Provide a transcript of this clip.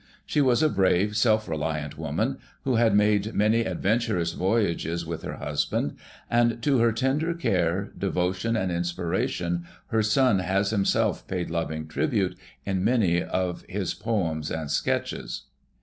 She was a brave, self reliant woman, who had made many adventurous voyages with her liusband, and to her tender care, devotion and inspiration her son has himself jiaid loving tribute in many of his poems and sketches.